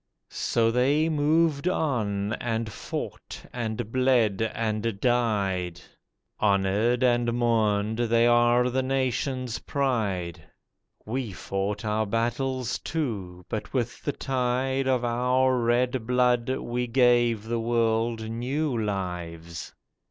So they moved on and fought and bled and died; Honoured and mourned, they are the nation's pride. We fought our battles, too, but with the tide Of our red blood, we gave the world new lives.